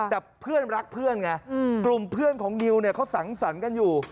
แต่เพื่อนรักเพื่อนไงกลุ่มเพื่อนของนิวเนี่ยเขาสังสรรค์กันอยู่